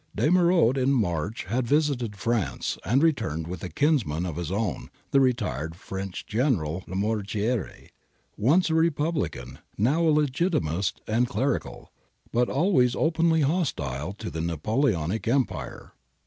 De Merode in March had visited France and returned with a kinsman of his own, the retired French General Lamoriciere, once a Republi can, now a Legitimist and Clerical, but always openly hostile to the Napoleonic Empire.